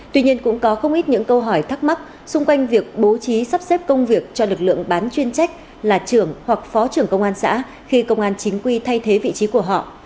tuy nhiên cũng có không ít những câu hỏi thắc mắc xung quanh việc bố trí sắp xếp công việc cho lực lượng bán chuyên trách là trưởng hoặc phó trưởng công an xã khi công an chính quy thay thế vị trí của họ